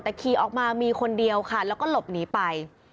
แต่ขี่ออกมามีคนเดียวค่ะแล้วก็หลบหนีไป